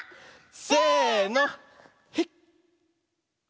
せの。